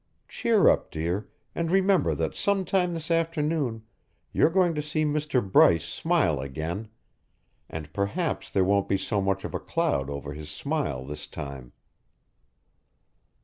Cheer up, dear, and remember that sometime this afternoon you're going to see Mr. Bryce smile again, and perhaps there won't be so much of a cloud over his smile this time."